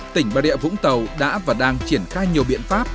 tỉnh bà rịa vũng tàu đã và đang triển khai nhiều biện pháp